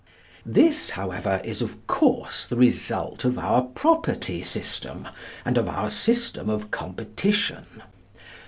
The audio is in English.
This, however, is, of course, the result of our property system and our system of competition.